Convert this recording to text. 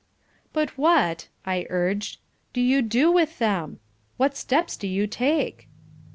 "But what," I urged, "do you do with them? What steps do you take?"